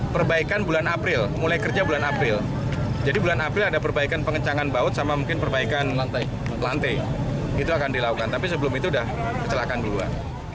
perbaikan bulan april mulai kerja bulan april jadi bulan april ada perbaikan pengencangan baut sama mungkin perbaikan lantai itu akan dilakukan tapi sebelum itu sudah kecelakaan duluan